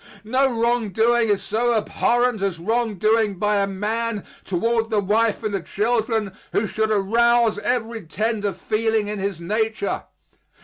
No wrong doing is so abhorrent as wrong doing by a man toward the wife and the children who should arouse every tender feeling in his nature.